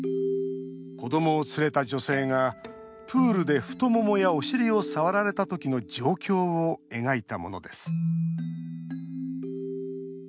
子どもを連れた女性がプールで太ももや、お尻を触られたときの状況を描いたものです。